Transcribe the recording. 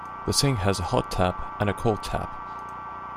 The sink has a hot tap and a cold tap